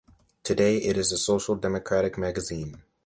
Today it is a social democratic magazine.